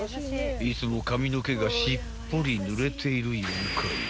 ［いつも髪の毛がしっぽりぬれている妖怪］